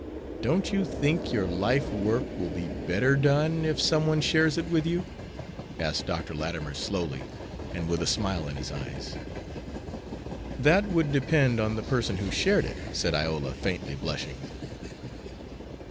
Don't you think your life work will be better done if some one shares it with you?" asked Dr. Latimer, slowly, and with a smile in his eyes. "That would depend on the person who shared it," said Iola, faintly blushing.